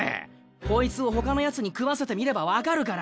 こいつをほかのやつに食わせてみればわかるから。